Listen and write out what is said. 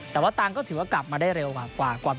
แต่ว่าทางก็ถือว่ากลับมาได้เร็วกว่าปกตินะครับ